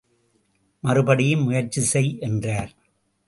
மறுபடியும் முயற்சி செய் என்றார்.